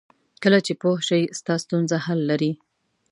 کله چې پوه شې ستا ستونزه حل لري.